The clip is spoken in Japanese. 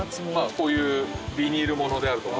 こういうビニールものであるとか。